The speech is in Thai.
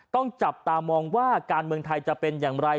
ต้องจับตามองว่าการเมืองไทยจะเป็นอย่างไร